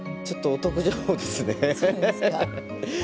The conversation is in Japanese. ちょっと！